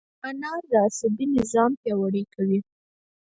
انار د عصبي نظام پیاوړی کوي.